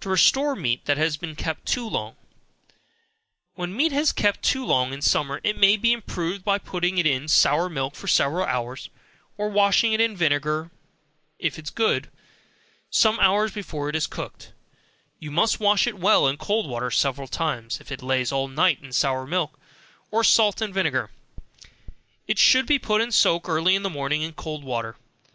To Restore Meat that has been kept too long. When meat has been kept too long in summer, it may be improved by putting it in sour milk for several hours, or washing it in vinegar is good, some hours before it is cooked, you must wash it well in cold water several times, if it lays all night in sour milk, or salt and vinegar, it should be put in soak early in the morning in cold water.